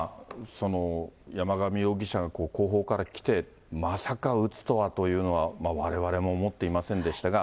山上容疑者が後方から来て、まさか撃つとはというのは、われわれも思っていませんでしたが。